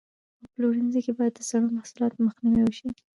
په پلورنځي کې باید د زړو محصولاتو مخنیوی وشي.